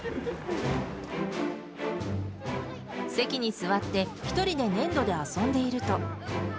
席に座って、１人で粘土で遊んでいると。